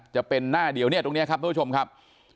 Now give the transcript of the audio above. จะเป็นหน้าเดียวเนี่ยตรงนี้ครับทุกผู้ชมครับ